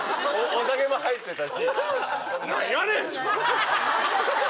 お酒も入ってたし。